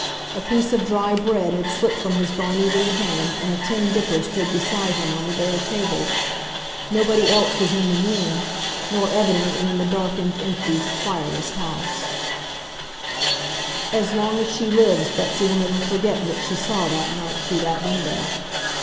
A piece of dry bread had slipped from his bony little hand and a tin dipper stood beside him on the bare table. Nobody else was in the room, nor evidently in the darkened, empty, fireless house. [Illustration: He had fallen asleep with his head on his arms.] As long as she lives Betsy will never forget what she saw that night through that window.